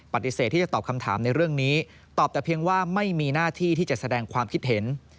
ปฏิเสธที่จะตอบคำถามในเรื่องนี้ตอบแต่เพียงว่าไม่มีหน้าที่ที่จะแสดงความคิดเห็น